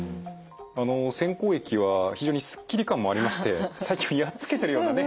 あの洗口液は非常にすっきり感もありまして細菌をやっつけているようなね